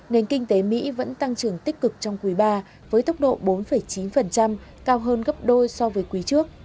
nền kinh tế mỹ vẫn tăng trưởng tích cực trong quý ba với tốc độ bốn chín cao hơn gấp đôi so với quý trước